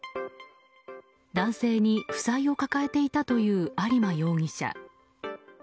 男性に負債を抱えていたという有馬容疑者。